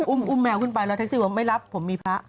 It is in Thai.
อุ้มแมวขึ้นไปแล้วแท็กซี่บอกไม่รับผมมีพระ